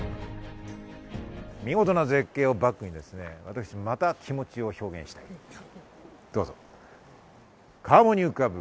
見事な絶景をバックにですね、また気持ちを表現してみました。